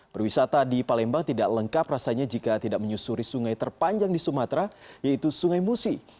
berwisata di palembang tidak lengkap rasanya jika tidak menyusuri sungai terpanjang di sumatera yaitu sungai musi